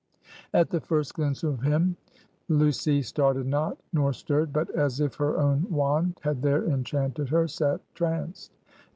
At the first glimpse of him, Lucy started not, nor stirred; but as if her own wand had there enchanted her, sat tranced.